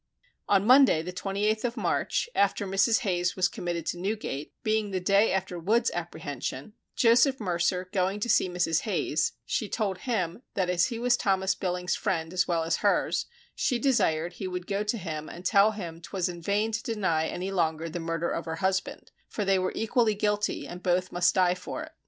On Monday, the 28th of March, after Mrs. Hayes was committed to Newgate, being the day after Wood's apprehension, Joseph Mercer going to see Mrs. Hayes, she told him that as he was Thomas Billings's friend as well as hers; she desired he would go to him and tell him 'twas in vain to deny any longer the murder of her husband, for they were equally guilty, and both must die for it.